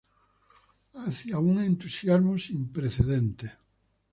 Hacia un entusiasmo sin precedentes".